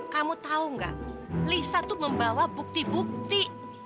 kamu tahu nggak lisa tuh membawa bukti bukti